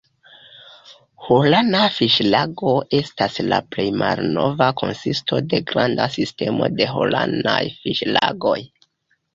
Holana fiŝlago estas la plej malnova konsisto de granda sistemo de Holanaj fiŝlagoj.